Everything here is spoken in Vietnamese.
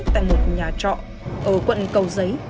tại một nhà trọ ở quận cầu giấy